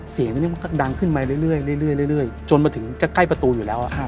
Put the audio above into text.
เสียงอันนี้มันก็ดังขึ้นมาเรื่อยจนมาถึงจะใกล้ประตูอยู่แล้ว